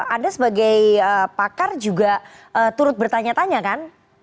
anda sebagai pakar juga turut bertanya tanya kan